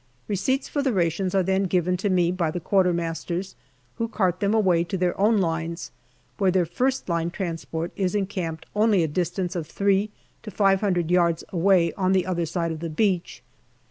Receipts for the rations are then given me by the Q.M.'s, who cart them away to their own lines, where their first line transport is encamped only a distance of three to five hundred yards away on the other side of the beach.